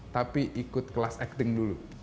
tapi ikut kelas acting dulu